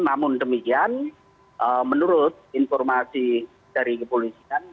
namun demikian menurut informasi dari kepolisian